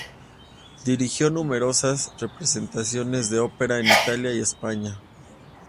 Dirigió numerosas representaciones de ópera en Italia y España.